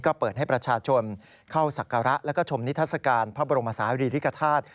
ก็เปิดให้ประชาชนเข้าศักระแล้วก็ชมนิทัศกาลพระบรมศาลีริกฐาตุ